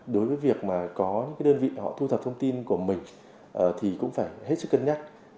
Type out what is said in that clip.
đối với việc mà có những đơn vị họ thu thập thông tin của mình thì cũng phải hết sức cân nhắc